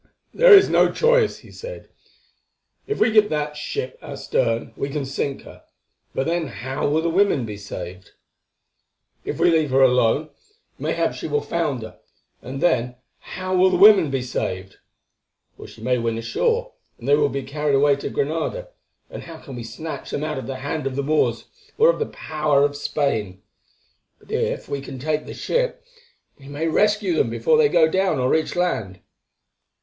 "There is no choice," he said. "If we give that ship our stem we can sink her, but then how will the women be saved? If we leave her alone, mayhap she will founder, and then how will the women be saved? Or she may win ashore, and they will be carried away to Granada, and how can we snatch them out of the hand of the Moors or of the power of Spain? But if we can take the ship, we may rescue them before they go down or reach land.